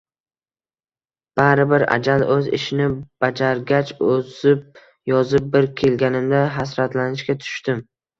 Baribir ajal o`z ishini bajargach, ozib-yozib bir kelganimda hasratlanishga tushdim